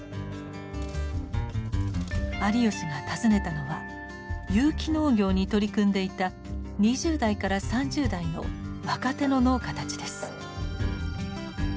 有吉が訪ねたのは有機農業に取り組んでいた２０代から３０代の若手の農家たちです。